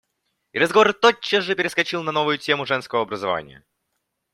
И разговор тотчас же перескочил на новую тему женского образования.